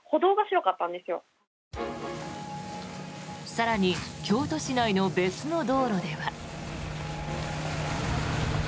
更に京都市内の別の道路では。